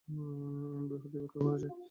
আমার ব্যাপারটি ব্যাখ্যা করা যায়।